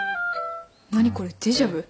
何これデジャブ？